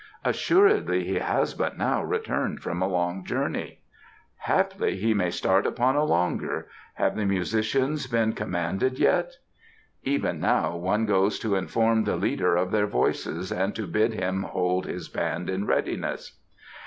"Assuredly he has but now returned from a long journey." "Haply he may start upon a longer. Have the musicians been commanded yet?" "Even now one goes to inform the leader of their voices and to bid him hold his band in readiness."